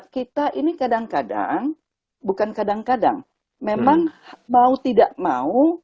kita ini kadang kadang bukan kadang kadang memang mau tidak mau